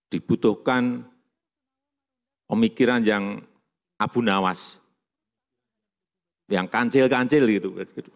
dibutuhkan pemikiran yang abunawas yang kancil kancil gitu